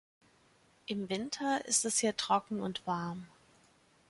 Im Winter ist es hier trocken und warm.